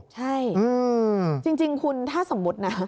ใช่จริงคุณถ้าสมมุตินะ